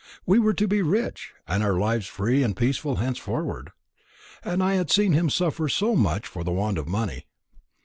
We were to be rich, and our lives free and peaceful henceforward; and I had seen him suffer so much for the want of money.